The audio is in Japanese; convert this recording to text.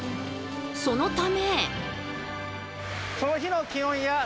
そのため。